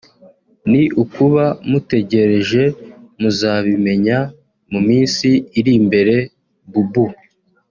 ni ukuba mutegereje muzabimenya mu minsi iri imbere- Boubou